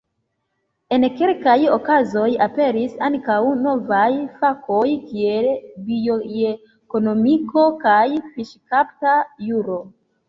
En kelkaj okazoj aperis ankaŭ novaj fakoj kiel bioekonomiko kaj fiŝkapta juro.